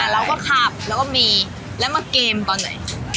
เราก็ขับแล้วก็มีแล้วมาเกมตอนไหน